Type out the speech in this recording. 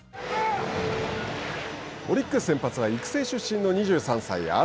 オリックス先発は育成出身の２３歳東。